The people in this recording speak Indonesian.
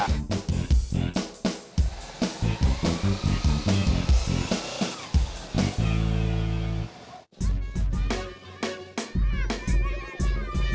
oh itulah kitabnya behaviorsnya ya